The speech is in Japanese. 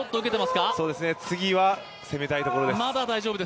次は攻めたいところです。